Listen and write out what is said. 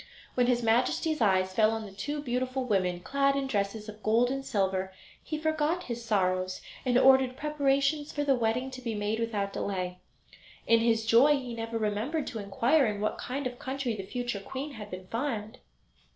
When his Majesty's eyes fell on the two beautiful women, clad in dresses of gold and silver, he forgot his sorrows and ordered preparations for the wedding to be made without delay. In his joy he never remembered to inquire in what kind of country the future queen had been found.